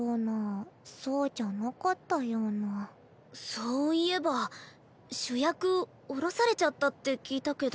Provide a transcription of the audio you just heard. そういえば主役降ろされちゃったって聞いたけど。